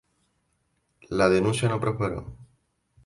La denuncia no prosperó.